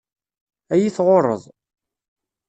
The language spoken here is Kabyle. Ad yi-tɣurreḍ.